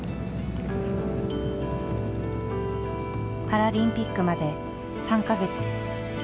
パラリンピックまで３か月。